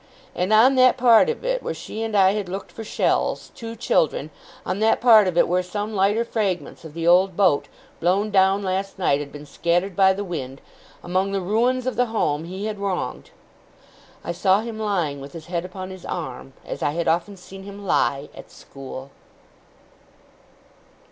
And on that part of it where she and I had looked for shells, two children on that part of it where some lighter fragments of the old boat, blown down last night, had been scattered by the wind among the ruins of the home he had wronged I saw him lying with his head upon his arm, as I had often seen him lie at school.